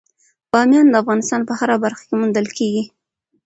بامیان د افغانستان په هره برخه کې موندل کېږي.